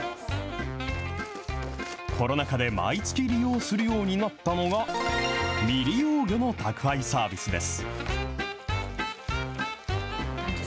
コロナ禍で毎月利用するようになったのが、未利用魚の宅配サービスです。